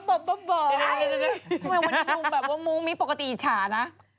ทำไมมันนุนิมว่ามูมมี่ปกติอิชานะ